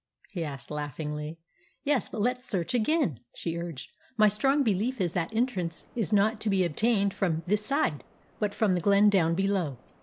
he asked laughingly. "Yes, but let's search again," she urged. "My strong belief is that entrance is not to be obtained from this side, but from the glen down below."